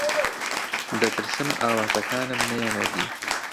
دەترسم ئاواتەکانم نەیەنە دی.